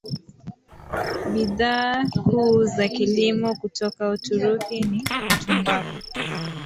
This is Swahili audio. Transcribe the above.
Bidhaa kuu za kilimo kutoka Uturuki ni tumbaku